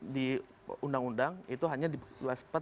di undang undang itu hanya dibuat